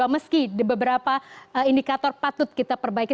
meski beberapa indikator patut kita perbaiki